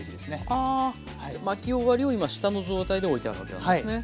あ巻き終わりを今下の状態で置いてあるわけなんですね。